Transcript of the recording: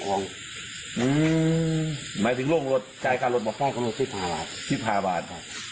ของอืมหมายถึงล่มรถรถบาทแค่รถสิบห้าบาทสิบห้าบาท